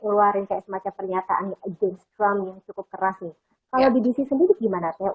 keluarin kayak semacam pernyataan james trump yang cukup keras nih kalau di dc sendiri gimana teh